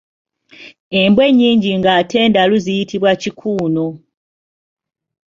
Embwa ennyingi ng’ate ndalu ziyitibwa kikuuno.